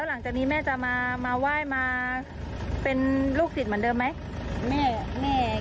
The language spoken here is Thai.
หลังจากนี้แม่จะมาไหว้มาเป็นลูกศิษย์เหมือนเดิมไหม